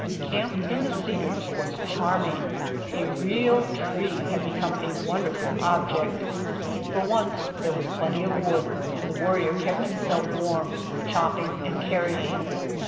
Camp in the Cedars was charming. A real tree had become a wonderful object. For once there was plenty of wood and the Worrier kept himself warm chopping and carrying.